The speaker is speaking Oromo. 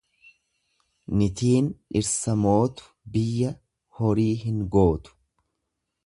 Nitiin dhirsa mootu biyya horii hin gootu.